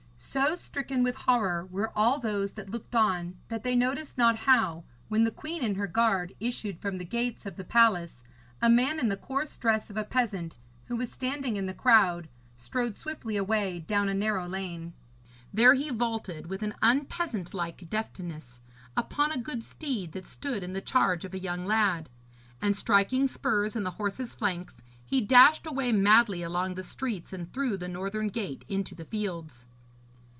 So stricken with horror were all those that looked on that they noticed not how, when the queen and her guard issued from the gates of the palace, a man in the coarse dress of a peasant, who was standing in the crowd, strode swiftly away down a narrow lane. There he vaulted, with an unpeasant like deftness, upon a good steed that stood in the charge of a young lad; and striking spurs in the horse's flanks, he dashed away madly along the streets and through the northern gate into the fields.